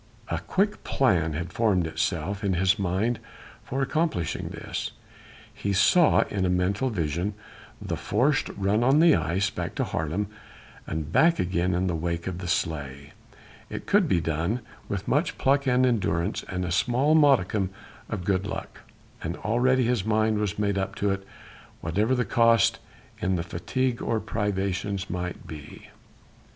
A quick plan had formed itself in his mind for accomplishing this he saw in a mental vision the forced run on the ice back to Haarlem and back again in the wake of the sleigh. It could be done with much pluck and endurance and a small modicum of good luck, and already his mind was made up to it, whatever the cost in fatigue or privations might be.